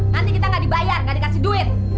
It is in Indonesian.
nanti kita nggak dibayar nggak dikasih duit